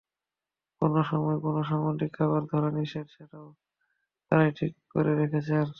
কোন সময় কোন সামুদ্রিক খাবার ধরা নিষেধ, সেটাও তাঁরাই ঠিক করে রেখেছেন।